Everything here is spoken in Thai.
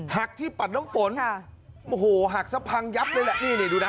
หักที่ปัดน้ำฝนโอ้โหหักซะพังยับเลยแหละนี่ดูนะ